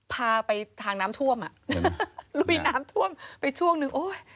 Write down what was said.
พาไปทางน้ำท่วมอ่ะแล้วมีน้ำท่วมไปช่วงนึงโอ้ย